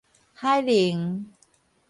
海寧